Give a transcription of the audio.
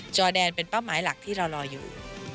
จอแดนเป็นเป้าหมายหลักที่เรารออยู่